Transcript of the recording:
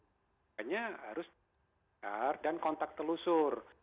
makanya harus dan kontak telusur